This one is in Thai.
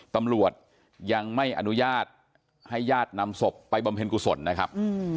ตำรวจยังไม่อนุญาตให้ญาตินำศพไปบำเพ็ญกุศลนะครับ